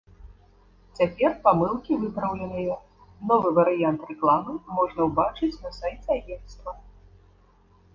Цяпер памылкі выпраўленыя, новы варыянт рэкламы можна ўбачыць на сайце агенцтва.